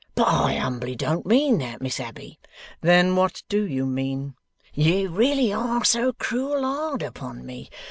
'But I humbly don't mean that, Miss Abbey.' 'Then what do you mean?' 'You really are so cruel hard upon me!